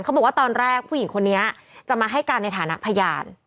เขาบอกว่าตอนแรกผู้หญิงคนนี้จะมาให้การในฐานะพยาน